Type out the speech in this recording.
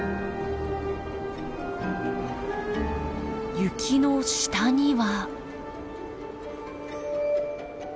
雪の下には。